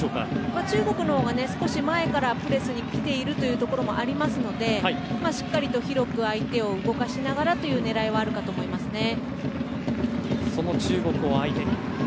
中国のほうが少し前からプレスに来ていることもあるのでしっかり広く相手を動かしながらという狙いはあるかと思いますね。